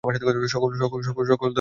সকল ধর্মেরই এই সাধারণ ভাব।